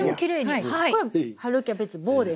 これ「春キャベツ棒」です。